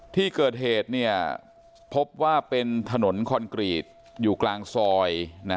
ที่เกิดเหตุพบว่าเป็นถนนคอนกรีตอยู่กลางซอย